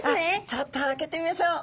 ちょっと開けてみましょう！